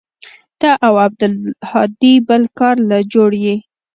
ته او عبدالهادي بل كار له جوړ يې.